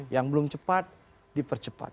yang belum cepat dipercepat